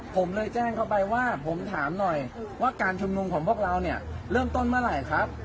ผมเลยแจ้งเข้าไปว่าผมถามหน่อยว่าการชุมนุมของพวกเราเนี่ยเริ่มต้นเมื่อไหร่ครับ